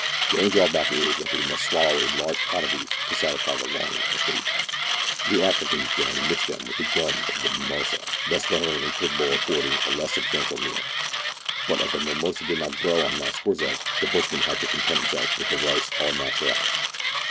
The only drawback is, that they must be swallowed in large quantities to satisfy any longing for food. The Africans generally mix them with the gum of the mimosa, thus ren. dering them capable of affording a less unsubstantial meal ; but as the mimosa did not grow on Mount Scorzef, the bush man had to content himself with his rice ait iiaturel.